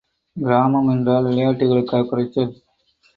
கிராமம் என்றால் விளையாட்டுகளுக்கா குறைச்சல்!